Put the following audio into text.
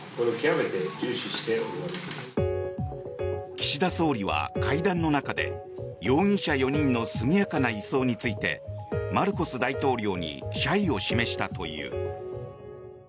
岸田総理は会談の中で容疑者４人の速やかな移送についてマルコス大統領に謝意を示したという。